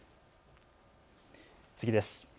次です。